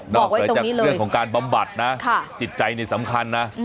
เหนือจากเรื่องของการบำบัดนะจิตใจนี่สำคัญนะ